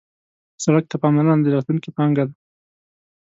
سړک ته پاملرنه د راتلونکي پانګه ده.